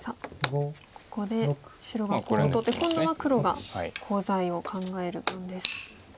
ここで白はコウを取って今度は黒がコウ材を考える番です。